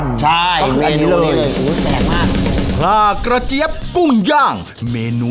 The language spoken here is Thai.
อร่อยเชียบแน่นอนครับอร่อยเชียบแน่นอนครับ